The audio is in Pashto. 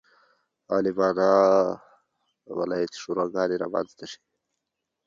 عالمانو ولایتي شوراګانې رامنځته شي.